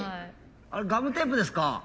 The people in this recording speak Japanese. あれガムテープですか？